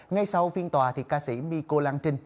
ngay sau phiên tòa ca sĩ miko lan trinh